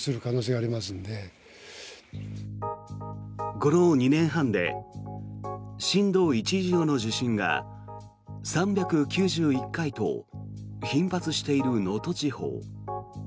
この２年半で震度１以上の地震が３９１回と頻発している能登地方。